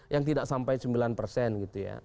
yang tidak sampai sembilan persen gitu ya